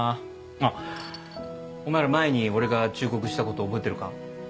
あっお前ら前に俺が忠告したこと覚えてるか？